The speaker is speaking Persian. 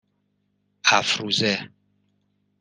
افروزه